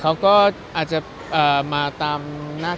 เขาก็อาจจะมาตามหน้าที่นะครับ